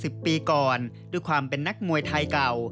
ซึ่งจะถอยไปสุดท้ายด้วยความเป็นนักมวยไทยเก่า